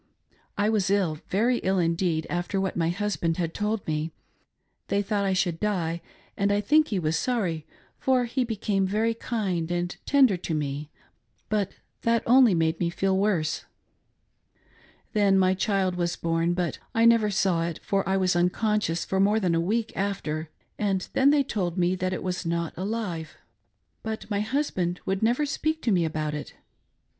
I was ill, very ill indeed, after what my husband had told me. They thought I should die, and I think he was sorry, for he became very kind and tender to me, but that only made me feel worse. Then my child was born, but I never saw it, for I was unconscious for more than a week after, and then they told me that it was not alive, but my hus band would never speak to me' about it.